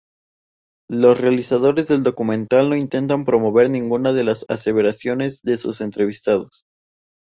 Los realizadores del documental no intentan promover ninguna de las aseveraciones de sus entrevistados.